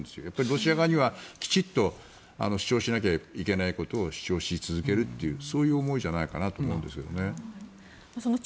やっぱりロシア側にはきちんと主張しなければいけないことを主張し続けるというそういう思いじゃないかなと思うんです。